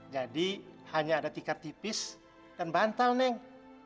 jadi hanya ada tikar tipis dan bantal neng